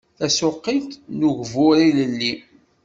Tasuqilt n ugbur ilelli.